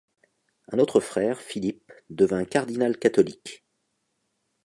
Un autre frère, Philip, devint cardinal catholique.